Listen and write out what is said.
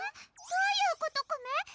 どういうことコメ？